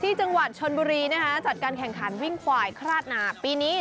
จังหวัดชนบุรีนะคะจัดการแข่งขันวิ่งควายคราดหนาปีนี้